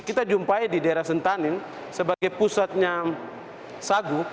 kita jumpai di daerah sentani sebagai pusatnya sagu